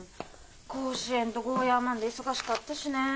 甲子園とゴーヤーマンで忙しかったしねえ。